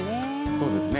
そうですね。